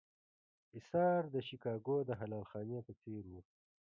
اېثار د شیکاګو د حلال خانې په څېر و.